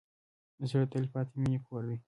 زړه د تلپاتې مینې کور دی.